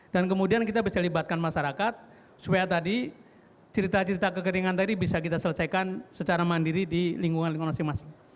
dan kemudian kita bisa libatkan masyarakat supaya tadi cerita cerita kekeringan tadi bisa kita selesaikan secara mandiri di lingkungan masing masing